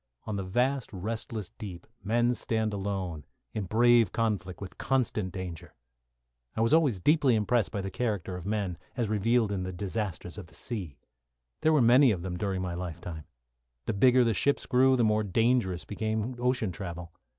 On the vast, restless deep men stand alone, in brave conflict with constant danger. I was always deeply impressed by the character of men, as revealed in disasters of the sea. There were many of them during my life time. The bigger the ships grew, the more dangerous became ocean travel.